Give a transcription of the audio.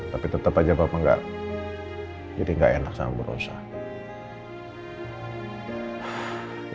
tapi tetap aja papa gak jadi gak enak sama berusaha